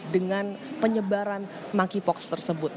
dengan penyebaran monkeypox tersebut